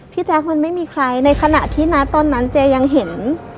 แจ๊คมันไม่มีใครในขณะที่นะตอนนั้นเจ๊ยังเห็น